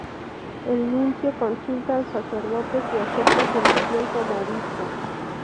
El nuncio consulta al sacerdote si acepta su elección como obispo.